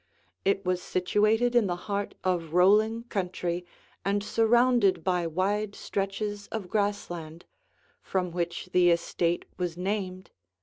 It was situated in the heart of rolling country and surrounded by wide stretches of grass land, from which the estate was named "Green Meadows."